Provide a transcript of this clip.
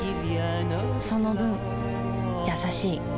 その分優しい